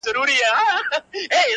لاس دي راکه چي مشکل دي کړم آسانه!!